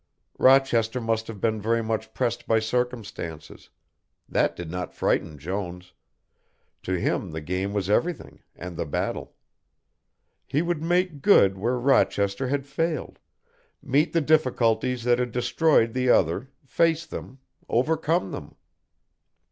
Rochester must have been very much pressed by circumstances; that did not frighten Jones, to him the game was everything, and the battle. He would make good where Rochester had failed, meet the difficulties that had destroyed the other, face them, overcome them.